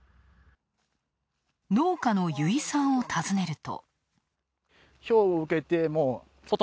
農家の由井さんを訪ねると。